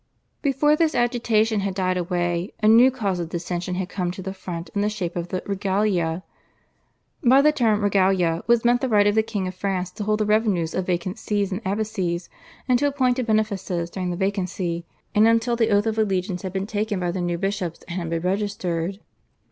Before this agitation had died away a new cause of dissension had come to the front in the shape of the /Regalia/. By the term /Regalia/ was meant the right of the King of France to hold the revenues of vacant Sees and abbacies, and to appoint to benefices during the vacancy, and until the oath of allegiance had been taken by the new bishops and had been registered.